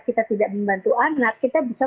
kita tidak membantu anak kita bisa